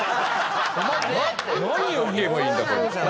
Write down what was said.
何を言えばいいんだと。